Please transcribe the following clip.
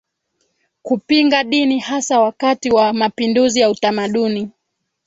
kupinga dini hasa wakati wa mapinduzi ya utamaduni